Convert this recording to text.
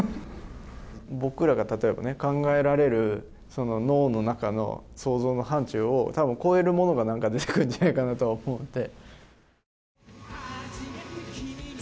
僕らが例えば考えられる脳の中の想像の範疇を多分超えるものが何か出てくるんじゃないかとは思うので。